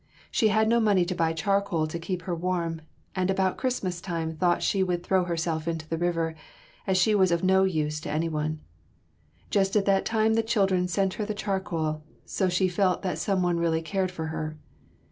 She had no money to buy charcoal to keep her warm, and about Christmas time thought she would throw herself into the river, as she was of no use to any one. Just at that time the children sent her the charcoal, so she felt that some one really cared for her.